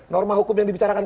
norma hukum yang dibicarakan